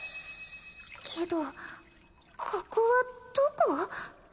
けどここはどこ？